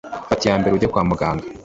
fata iyambere ujye kwa muganga.